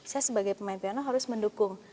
saya sebagai pemain piano harus mendukung